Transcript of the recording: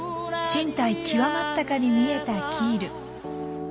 進退窮まったかに見えたキール。